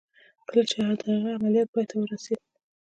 کله چې د هغه عملیات پای ته ورسېد